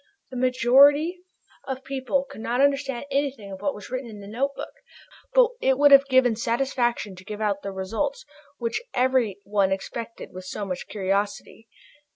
The majority of people could not understand anything of what was written in the notebook, but it would have given satisfaction to give out the results, which every one expected with so much curiosity.